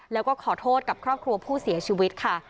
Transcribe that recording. แล้วก็ขอโทษกับครอบครัวผู้เสียชีวิตค่ะ